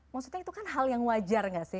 maksudnya itu kan hal yang wajar gak sih